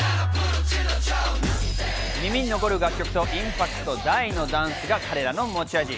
耳に残る楽曲とインパクト大のダンスが彼らの持ち味。